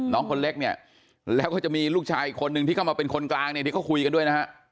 น้องคนเล็กเนี่ยแล้วก็จะมีลูกชายอีกคนนึงที่เข้ามาเป็นคนกลางเนี่ย